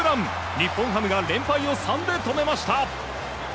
日本ハムが連敗を３で止めました。